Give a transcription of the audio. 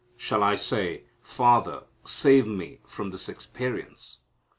Shall I say, 'Father, save me from this experience'?